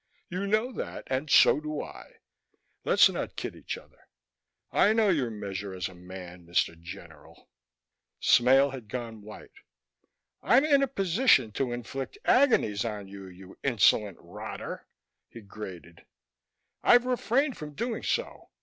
You know that and so do I; let's not kid each other. I know your measure as a man, Mr. General." Smale had gone white. "I'm in a position to inflict agonies on you, you insolent rotter," he grated. "I've refrained from doing so.